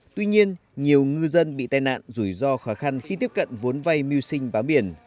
tuy nhiên nhiều ngư dân bị tai nạn rủi ro khó khăn khi tiếp cận vốn vay mưu sinh bám biển